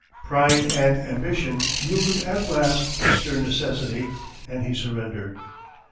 Pride and ambition yielded at last to stern necessity and he surrendered.